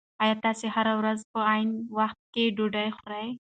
ایا تاسي هره ورځ په عین وخت کې ډوډۍ خورئ؟